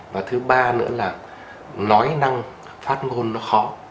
và thứ ba nữa là nói năng phát ngôn nó khó